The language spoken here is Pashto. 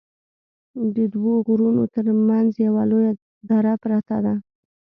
ددوو غرونو تر منځ یوه لویه دره پراته ده